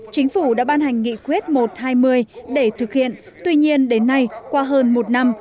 chính phủ đã ban hành nghị quyết một trăm hai mươi để thực hiện tuy nhiên đến nay qua hơn một năm